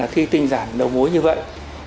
khi tinh giản đầu mối như vậy